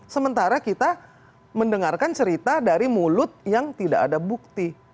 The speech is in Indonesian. sementara kita mendengarkan cerita dari mulut yang tidak ada bukti